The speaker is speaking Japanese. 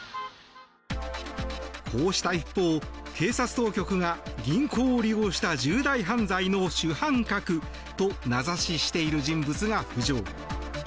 こうした一方、警察当局が銀行を利用した重大犯罪の主犯格と名指ししている人物が浮上。